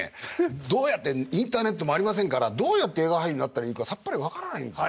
どうやってインターネットもありませんからどうやって映画俳優になったらいいかさっぱり分からないんですよ。